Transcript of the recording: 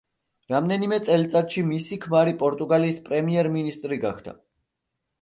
რამდენიმე წელიწადში მისი ქმარი პორტუგალიის პრემიერ-მინისტრი გახდა.